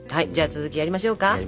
じゃあ続きやりましょうか。